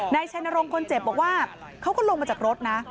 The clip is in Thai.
นายชัยนรงค์คนเจ็บบอกว่าเขาก็ลงมาจากรถนะ